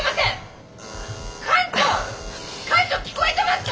艦長聞こえてますか？